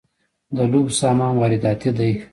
د لوبو سامان وارداتی دی